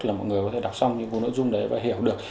là mọi người có thể đọc xong những cuốn nội dung đấy và hiểu được